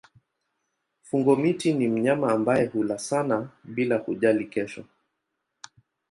Fungo-miti ni mnyama ambaye hula sana bila kujali kesho.